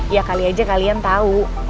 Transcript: ya kali aja kalian tahu